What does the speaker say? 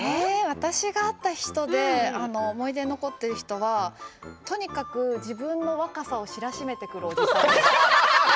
私が会った人で思い出に残っている人はとにかく自分の若さを知らしめてくるおじさん。